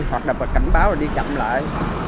hoặc là cảnh báo đi chậm lại